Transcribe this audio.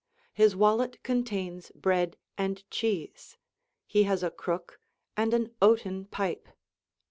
His wallet contains bread and cheese; he has a crook, and an oaten pipe.